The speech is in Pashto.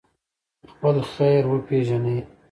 خپل خیر وپېژنئ.